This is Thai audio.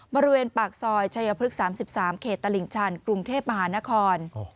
บริเวณปากซอยชายพฤกษ์๓๓เขตตลิ่งชันกรุงเทพมหานคร